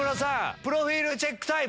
プロフィールチェックタイム。